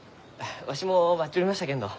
わしも待っちょりましたけんど。